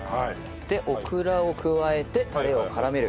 でオクラを加えてタレを絡める。